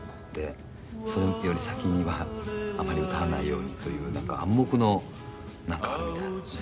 それより先にはあまり歌わないようにという暗黙のなんかがあるみたいなんですよね。